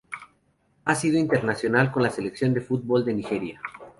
Ha sido internacional con la selección de fútbol de Nigeria.